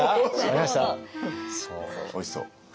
おいしそう。